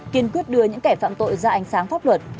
kiên quyết đưa những kẻ phạm tội ra ánh sáng pháp luật